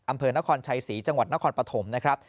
อำเภอนครชัยศรีจังหวัดนครปฐมนะครับ